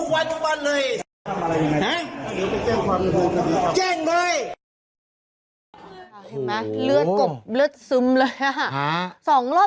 ม่าเลือดหลบเลือดซึมเลยฮะฮะสองรอบแล้ว